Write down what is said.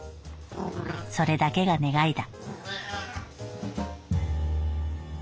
それだけが願いだ」。